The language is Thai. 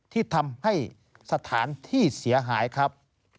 ที่ทำให้สถานที่เสียหายครับ